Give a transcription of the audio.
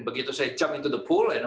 begitu saya jalan ke dalam penerbangan